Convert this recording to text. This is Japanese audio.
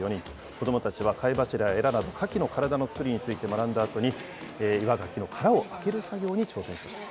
子どもたちは貝柱やえらなど、カキの体の作りについて学んだあとに、岩ガキの殻を開ける作業に挑戦しました。